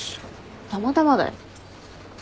たまたまだよ。